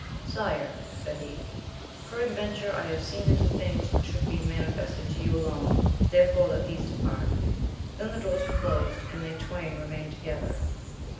Sire, said he, perad venture I have seen into things which should be mani fested to you alone, therefore let these depart. Then the doors were closed and theytwain[remained together.